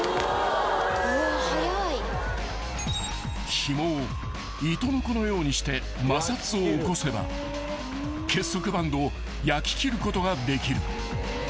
［ひもを糸のこのようにして摩擦を起こせば結束バンドを焼き切ることができる］あ。